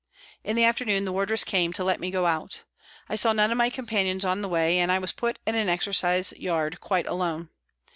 In the afternoon the wardress came to let me go out. I saw none of my companions on the way, and I was put in an exercise yard quite alone.